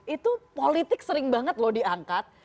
itu politik sering banget loh diangkat